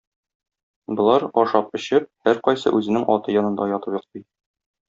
Болар, ашап-эчеп, һәркайсы үзенең аты янында ятып йоклый.